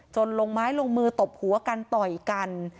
ลงไม้ลงมือตบหัวกันต่อยกัน